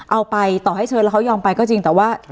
เอาไปต่อให้เชิญแล้วเขายอมไปก็จริงแต่ว่า